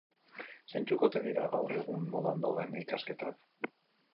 Zeintzuk ote dira gaur egun modan dauden ikasketak?